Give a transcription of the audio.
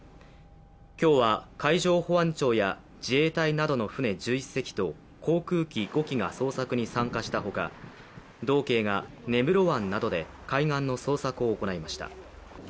今日は海上保安庁や自衛隊などの船１１隻と航空機５機が捜索に参加したほか道警が根室湾などで海岸の捜索を行いました。